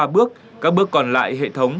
ba bước các bước còn lại hệ thống